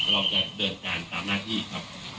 เราจะเดินการตามหน้าที่ครับ